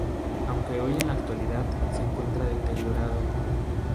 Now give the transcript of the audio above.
Aunque hoy en la actualidad se encuentra deteriorado.